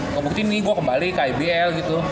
ngebuktiin nih gue kembali ke ibl gitu